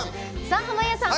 濱家さん